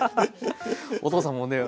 お父さんもね